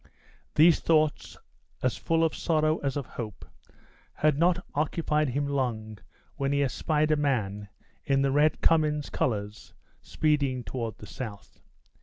These thoughts, as full of sorrow as of hope, had not occupied him long when he espied a man, in the Red Cummin's colors, speeding toward the south.